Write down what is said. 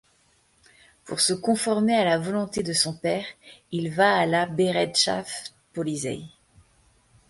Pour se conformer à la volonté de son père, il va à la Bereitschaftspolizei.